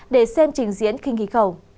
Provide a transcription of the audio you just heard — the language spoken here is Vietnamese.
để xem trình diễn khinh khí cầu